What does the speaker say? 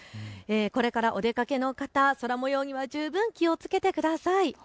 これからお出かけの方、空もようには十分気をつけてください。